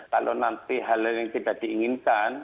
kalau nanti hal hal yang tidak diinginkan